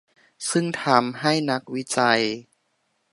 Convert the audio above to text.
ซึ่งทำให้นักวิจัย